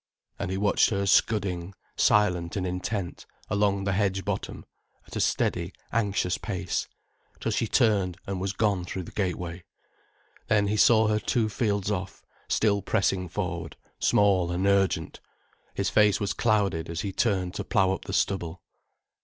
And he watched her scudding, silent and intent, along the hedge bottom, at a steady, anxious pace, till she turned and was gone through the gateway. Then he saw her two fields off, still pressing forward, small and urgent. His face was clouded as he turned to plough up the stubble.